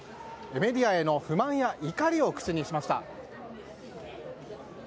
メディアへの不満や怒りを口にしました。